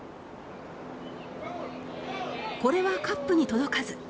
これはカップに届かず。